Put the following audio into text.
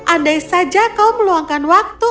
andai saja kau meluangkan waktu